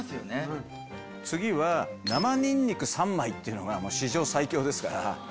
次は生ニンニク３枚が史上最強ですから。